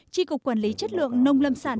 tri cục quản lý chất lượng nông lâm sản